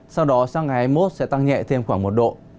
sau đó sang ngày hai mươi một sẽ tăng nhẹ thêm khoảng một độ